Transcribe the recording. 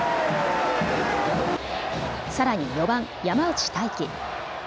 さらに４番・山内太暉。